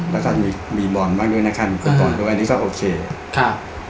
แล้วก็มีมีบอลบ้างด้วยนะคะมีคุณตนด้วยอันนี้ก็โอเคครับ